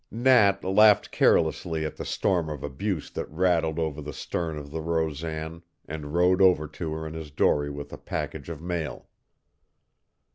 Nat laughed carelessly at the storm of abuse that rattled over the stern of the Rosan and rowed over to her in his dory with the package of mail.